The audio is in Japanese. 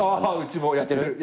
あっうちもやってる。